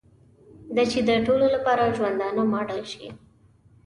دا چې د ټولو لپاره ژوندانه ماډل شي.